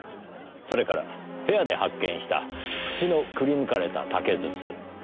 それから部屋で発見した節のくり抜かれた竹筒。